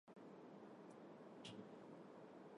Էմուլսիաների օրինակ են կաթը, կարագը, սերուցքը, թթվասերը և այլն։